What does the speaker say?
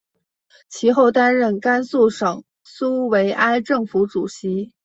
其后担任甘肃省苏维埃政府主席。